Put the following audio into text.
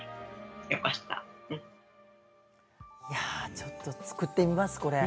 ちょっと作ってみます、これ。